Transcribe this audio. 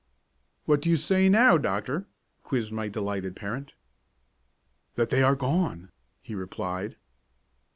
"What do you say now, doctor?" quizzed my delighted parent. "That they are gone!" he replied.